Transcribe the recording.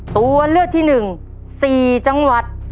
ตัวเลือกที่หนึ่ง๔จังหวัด